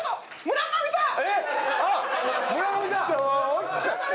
村上さん！